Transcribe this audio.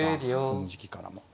その時期からも。